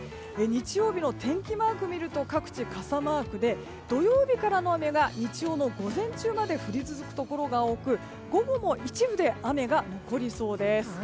日曜日の天気マークを見てみると各地傘マークで土曜日からの雨が日曜の午前中まで降り続くところが多く午後も一部で雨が残りそうです。